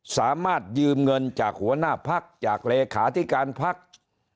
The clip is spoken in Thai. สามารถยืมเงินจากหัวหน้าพักจากเลขาธิการพัก